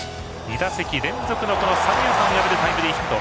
２打席連続の三遊間を破るタイムリーヒット。